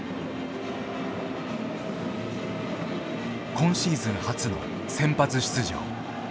今シーズン初の先発出場。